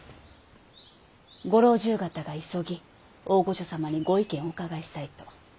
ご老中方が急ぎ大御所様にご意見をお伺いしたいと。